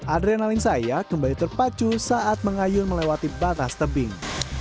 adrenalin saya kembali terpacu saat mengayun melewati batas tebing